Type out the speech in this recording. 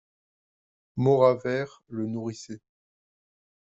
Mauravert le nourrissait.